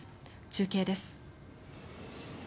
中継です。